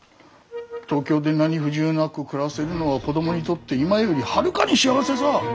東京で何不自由なく暮らせるのは子供にとって今よりはるかに幸せさぁ。